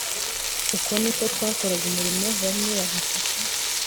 Uko ni ko twakoraga umurimo bamwe bagafata